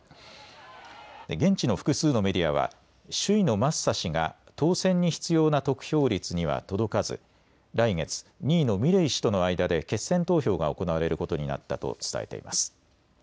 現地の複数のメディアは首位のマッサ氏が当選に必要な得票率には届かず来月、２位のミレイ氏との間で決選投票が行われることになったと伝えています。